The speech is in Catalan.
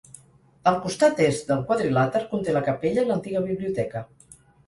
El costat est del quadrilàter conté la capella i l'antiga biblioteca.